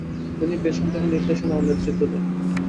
তিনি পেছন থেকে নির্দেশনা ও নেতৃত্ব দেন।